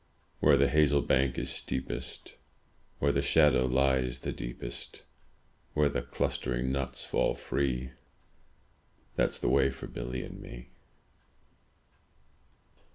Where the hazel bank is steepest. Where the shadow lies the deepest. Where the clustering nuts fall free. That's the way for Billy and me.